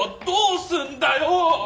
どうすんだよ！